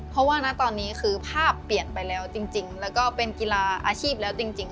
เพราะว่าณตอนนี้คือภาพเปลี่ยนไปแล้วจริงแล้วก็เป็นกีฬาอาชีพแล้วจริง